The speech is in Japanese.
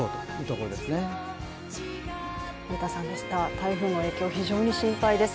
台風の影響、非常に心配です。